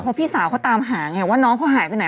เพราะพี่สาวเขาตามหาไงว่าน้องเขาหายไปไหน